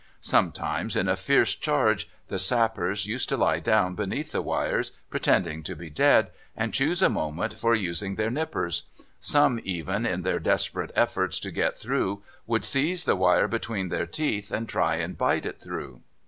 Sometimes in a fierce charge the sappers used to lie down beneath the wires, pretending to be dead, and choose a moment for using their nippers; some even, in their desperate efforts to get through, would seize the wire between their teeth and try and bite it through.